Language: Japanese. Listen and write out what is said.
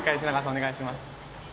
お願いします。